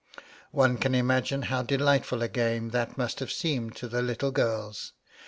One can imagine how delightful a game that must have seemed to the little girls.